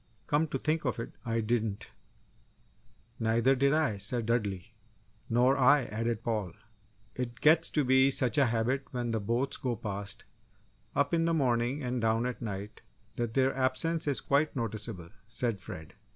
"Come to think of it, I didn't!" "Neither did I," said Dudley. "Nor I," added Paul. "It gets to be such a habit when the boats go past up in the morning and down at night that their absence is quite noticeable," said Fred.